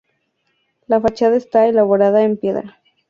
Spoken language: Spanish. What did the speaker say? La fachada está elaborada en piedra.